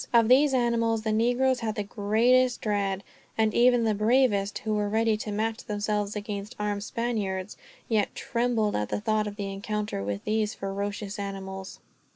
Of these animals the negroes had the greatest dread; and even the bravest, who were ready to match themselves against armed Spaniards, yet trembled at the thought of the encounter with these ferocious animals.